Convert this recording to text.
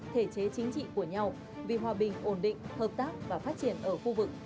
thể chế chính trị của nhau vì hòa bình ổn định hợp tác và phát triển ở khu vực